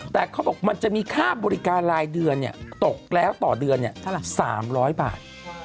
แต่เขาบอกมันจะมีค่าบริการรายเดือนตกแล้วต่อเดือน๓๐๐บาท